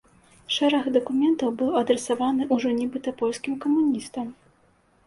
Шэраг дакументаў быў адрасаваны ўжо нібыта польскім камуністам.